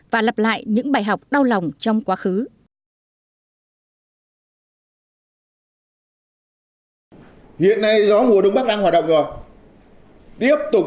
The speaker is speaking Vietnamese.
và lặp lại những bài học đau lòng trong quá khứ